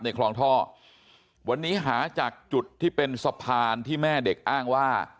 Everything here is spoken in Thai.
คลองท่อวันนี้หาจากจุดที่เป็นสะพานที่แม่เด็กอ้างว่า